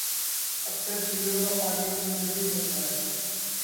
اکثر جھیلوں کا پانی منجمد ہوتا ہے